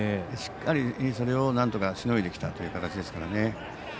しっかり、それをなんとかしのいできたということですね。